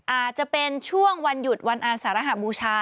อาจจะเป็นช่วงวันหยุดวันอาสารหบูชา